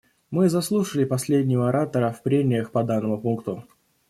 Мы заслушали последнего оратора в прениях по данному пункту.